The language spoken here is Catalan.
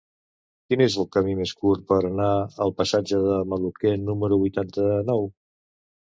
Quin és el camí més curt per anar al passatge de Maluquer número vuitanta-nou?